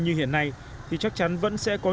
như hiện nay thì chắc chắn vẫn sẽ có